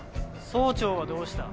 総長はどうした？